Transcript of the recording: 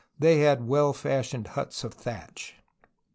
They had well fashioned huts of thatch.